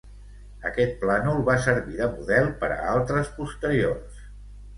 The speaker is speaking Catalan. Aquest plànol va servir de model per a altres posteriors.